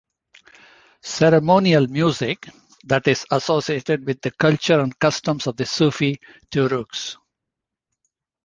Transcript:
Ceremonial music that is associated with the culture and customs of the Sufi-Turugs.